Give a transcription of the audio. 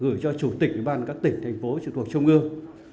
gửi cho chủ tịch các tỉnh thành phố trường thuộc trung ương